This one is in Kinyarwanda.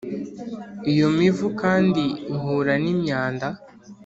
Iyo mivu kandi ihura n’imyanda